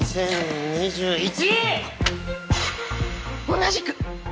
同じく！